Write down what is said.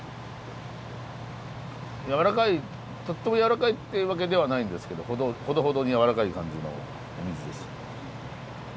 やわらかいとってもやわらかいっていうわけではないんですけどほどほどにやわらかい感じのお水です。